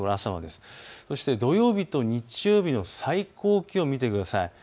土曜日と日曜日の最高気温見てください。